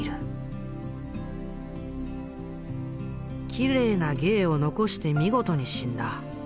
「綺麗な芸を残して見事に死んだ。